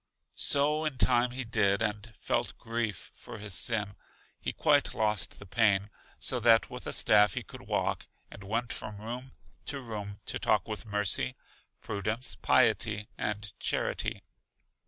So in time he did, and felt grief for his sin. He quite lost the pain, so that with a staff he could walk, and went from room to room to talk with Mercy, Prudence, Piety and Charity.